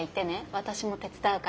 私も手伝うから。